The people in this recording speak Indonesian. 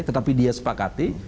tetapi dia sepakati